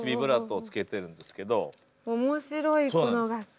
面白いこの楽器。